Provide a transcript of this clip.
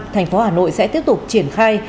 thành phố hà nội sẽ tiếp tục triển khai